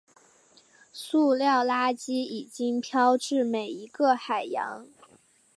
塑料垃圾已经飘至每一个海洋。